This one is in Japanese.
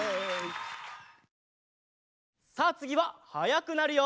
さあつぎははやくなるよ。